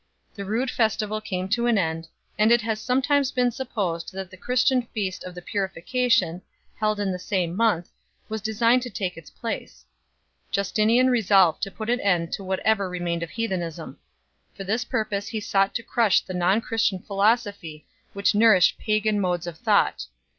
The rude festival came to an end, and it has sometimes been supposed that the Christian feast of the Purification, held in the same month, was designed to take its place 4 . Justinian resolved to put an end to what ever remained of heathenism. For this purpose he sought to crush the non Christian philosophy which nourished pagan modes of thought.